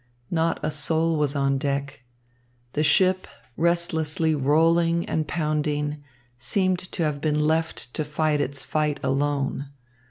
Not a soul was on deck. The ship, restlessly rolling and pounding, seemed to have been left to fight its fight alone.